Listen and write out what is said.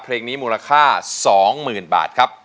เพลงนี้มูลค่าสองหมื่นบาทครับ